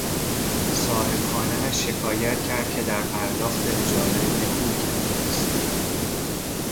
صاحب خانهاش شکایت کرد که در پرداخت اجاره نکول کرده است.